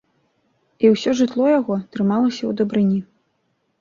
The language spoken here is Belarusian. І ўсё жытло яго трымалася ў дабрыні.